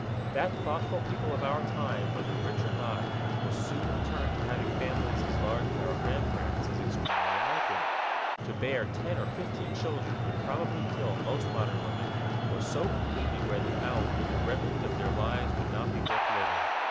That thoughtful people of our time, whether rich or not, will soon return to having families as large as our grandparents' is extremely unlikely. To bear ten or fifteen children would probably kill most modern women or so completely wear them out that the remnant of their lives would not be worth living.